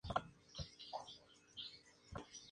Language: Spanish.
La canción oficial fue ""Baby Hates Me"" de Danko Jones.